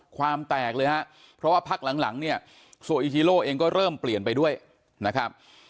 ความแตกเลยฮะเพราะว่าพักหลังเนี่ยโซอิจิโล่เองก็เริ่มเปลี่ยนไปด้วยนะครับ